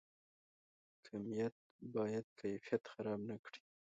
کمیت باید کیفیت خراب نکړي؟